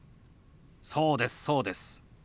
そうですそうです。